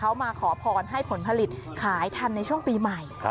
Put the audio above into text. เขามาขอพรให้ผลผลิตขายทันในช่วงปีใหม่